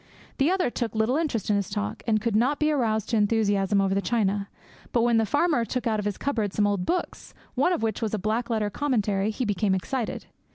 The other took little interest in his talk, and could not be aroused to enthusiasm over the china; but when the farmer took out of his cupboard some old books, one of which was a black letter commentary, he became excited.